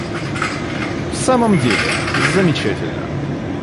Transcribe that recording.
В самом деле, замечательно.